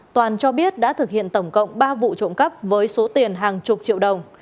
toàn cho biết đã thực hiện tổng cộng ba vụ trộm cắp với số tiền hàng chục triệu đồng